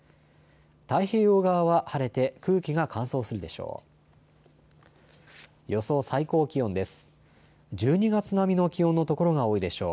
太平洋側は晴れて空気が乾燥するでしょう。